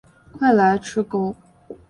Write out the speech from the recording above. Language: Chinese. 赶快来吃钩